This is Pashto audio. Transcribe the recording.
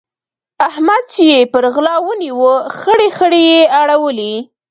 احمد چې يې پر غلا ونيو؛ خړې خړې يې اړولې.